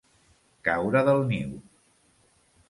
Caure del niu.